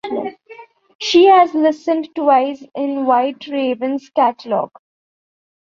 She has listed twice in White Ravens catalogue.